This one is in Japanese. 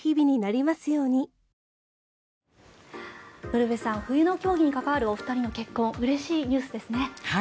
ウルヴェさん冬の競技に関わるお二人の結婚うれしいニュースですね。